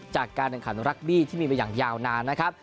จากการแข่งขันรักบี้ที่มีมาอย่างยาวนานนะครับ